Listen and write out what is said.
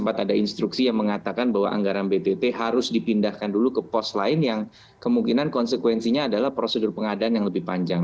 ada instruksi yang mengatakan bahwa anggaran btt harus dipindahkan dulu ke pos lain yang kemungkinan konsekuensinya adalah prosedur pengadaan yang lebih panjang